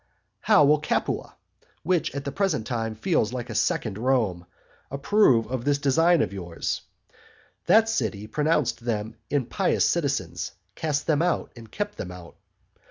How will Capua, which at the present time feels like a second Rome, approve of this design of yours? That city pronounced them impious citizens, cast them out, and kept them out.